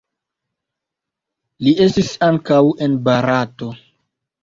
Li estis ankaŭ en Barato.